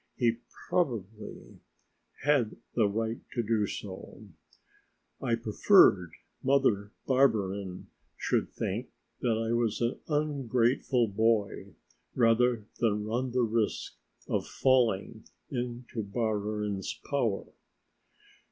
He probably had the right to do so. I preferred that Mother Barberin should think that I was an ungrateful boy rather than run the risk of falling into Barberin's power.